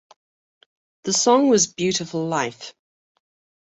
The song was "Beautiful Life".